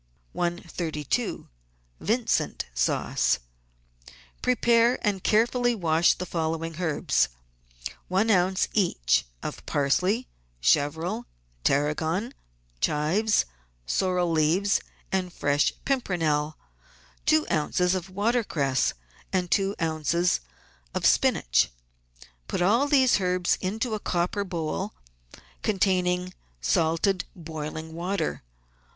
132— VINCENT SAUCE Prepare and carefully wash the following herbs :— One oz. each of parsley, chervil, tarragon, chives, sorrel leaves, and fresh pimpernel, two oz. of water cress and two oz. of spinach. Put all these herbs into a copper bowl containing salted, boiling water.